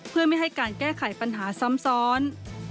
เพื่อไม่ให้การแก้ไขปัญหาซ้ำซ้อน